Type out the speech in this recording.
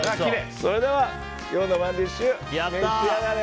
それでは今日のＯｎｅＤｉｓｈ召し上がれ。